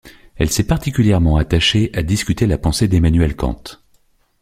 Il s'est particulièrement attaché à discuter la pensée d'Emmanuel Kant.